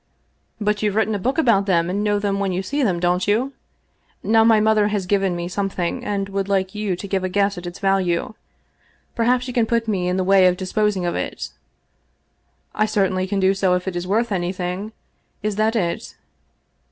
" But you've written a book about them, and know them when you see them, don't you ? Now my mother has given me something, and would like you to give a guess at its value. Perhaps you can put me in the way of disposing of it?" " I certainly can do so if it is worth anything. Is that it